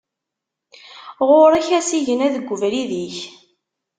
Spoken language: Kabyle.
Ɣur-k asigna deg ubrid-ik!